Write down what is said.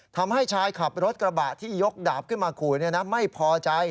ทำให้ชายขับรถกระบะที่ยกดาบขึ้นมาขู่ไม่พอใจ